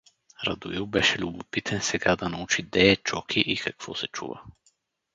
Радоил беше любопитен сега да научи де е Чоки и какво се чува.